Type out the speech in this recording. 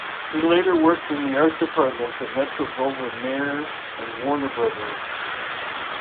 He later worked in the art departments of Metro Goldwyn Mayer and Warner Brothers.